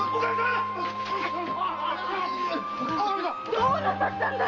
どうなさったんだい！？